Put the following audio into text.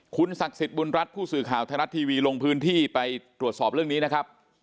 คุณศักดิ์สิทธิ์บุญรัฐผู้สื่อข่าวไทยรัฐทีวีลงพื้นที่ไปตรวจสอบเรื่องนี้นะครับ